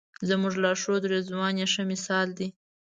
زموږ لارښود رضوان یې ښه مثال دی.